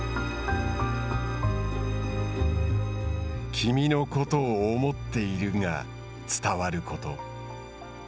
君のことを思っているが伝わること。